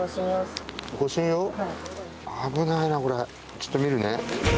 ・ちょっと見るね。